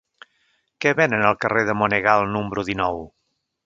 Què venen al carrer de Monegal número dinou?